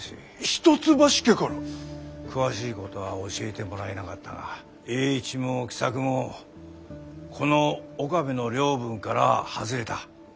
詳しいことは教えてもらえなかったが栄一も喜作もこの岡部の領分からは外れた。